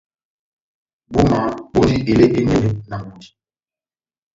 Búma bondi elé enɛnɛ na ngudi.